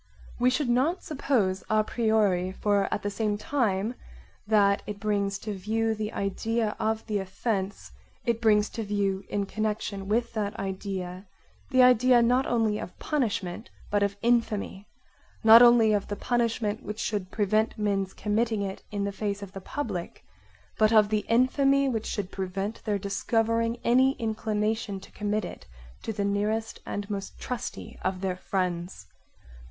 We should not suppose it a priori for at the same time that it brings to view the idea of the offence it brings to view in connection with that idea the idea not only of punishment but of infamy; not only of the punishment which should prevent men's committing it in the face of the public, but of the infamy which should prevent their discovering any inclination to commit it to the nearest and most trusty of their friends.